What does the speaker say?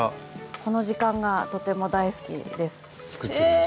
この時間がとても大好きです。